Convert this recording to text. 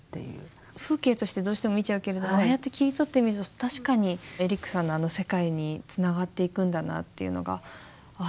風景としてどうしても見ちゃうけれどもああやって切り取ってみると確かにエリックさんのあの世界につながっていくんだなっていうのがああ